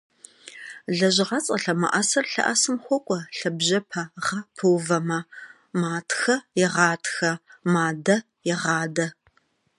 Лэжьыгъэцӏэ лъэмыӏэсыр лъэӏэсым хуокӏуэ лъабжьэпэ - гъэ пыувэмэ: матхэ - егъатхэ, мадэ - егъадэ.